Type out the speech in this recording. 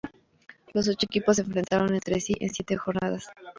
Los ocho equipos se enfrentaron entre sí en siete jornadas.